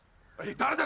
誰だ？